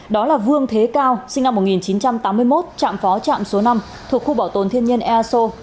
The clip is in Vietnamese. đó là vương thế cao sinh năm một nghìn chín trăm tám mươi một trạm phó trạm số năm thuộc khu bảo tồn thiên nhân e a s o